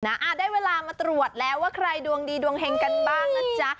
อ่าได้เวลามาตรวจแล้วว่าใครดวงดีดวงเฮงกันบ้างนะจ๊ะ